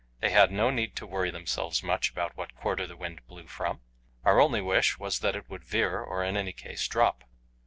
They had no need to worry themselves much about what quarter the wind blew from. Our only wish was that it would veer, or in any case drop.